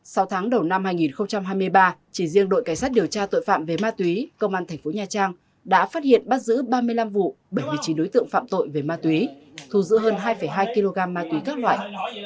sau tháng đầu năm hai nghìn hai mươi ba chỉ riêng đội cảnh sát điều tra tội phạm về ma túy công an thành phố nha trang đã phát hiện bắt giữ ba mươi năm vụ bảy mươi chín đối tượng phạm tội về ma túy thu giữ hơn hai hai kg ma túy các loại